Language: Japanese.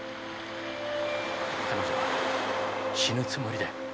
彼女は死ぬつもりで。